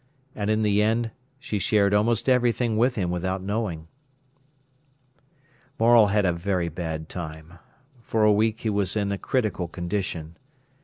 And in the end she shared almost everything with him without knowing. Morel had a very bad time. For a week he was in a critical condition.